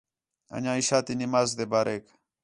اَن٘ڄیاں عِشاء تی نماز تے باریک